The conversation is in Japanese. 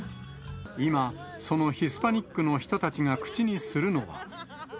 今、そのヒスパニックの人たちが口にするのは。